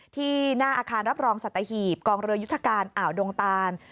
ที่หน้าอาคารรับรองสัตหีบกองเรือยุทธการอ่าวดงตาน